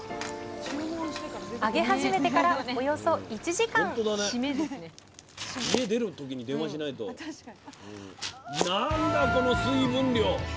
揚げ始めてからおよそ１時間なんだこの水分量！？